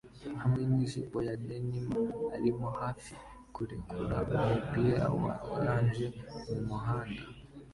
hamwe nijipo ya denim ari hafi kurekura umupira wa orange mumuhanda